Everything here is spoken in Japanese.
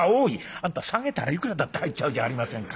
「あんた下げたらいくらだって入っちゃうじゃありませんか」。